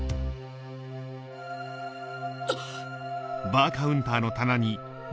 あっ⁉